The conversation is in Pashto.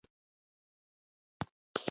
د پښتو ژبي د میراث او ژونديتوب لاره څارله